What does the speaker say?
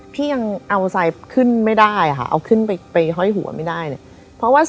พี่อายุคราวอากาศยังเอาไซส์ขึ้นไม่ได้ค่ะ